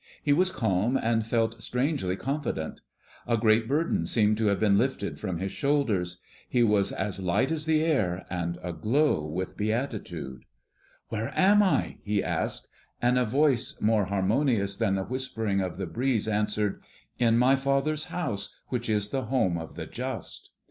He was calm and felt strangely confident. A great burden seemed to have been lifted from his shoulders; he was as light as the air, and aglow with beatitude. "Where am I?" he asked; and a voice more harmonious than the whispering of the breeze answered, "In my Father's House, which is the home of the Just."